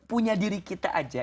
punya diri kita aja